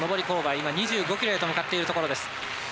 今２５ｋｍへと向かっているところです